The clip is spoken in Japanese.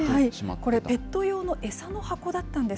これ、ペット用の餌の箱だったんです。